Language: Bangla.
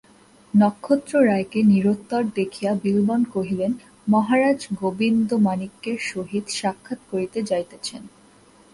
নক্ষত্ররায়কে নিরুত্তর দেখিয়া বিল্বন কহিলেন, মহারাজ গোবিন্দমাণিক্যের সহিত সাক্ষাৎ করিতে যাইতেছেন।